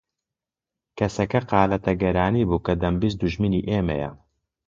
کەسەکە قالە تەگەرانی بوو کە دەمبیست دوژمنی ئێمەیە